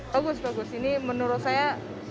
bagus bagus ini menurut saya